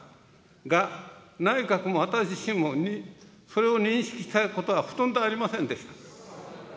が、内閣も私自身も、それを認識したことはほとんどありませんでした。